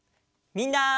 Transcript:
みんな。